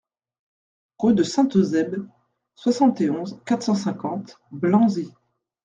Rue de Saint-Eusebe, soixante et onze, quatre cent cinquante Blanzy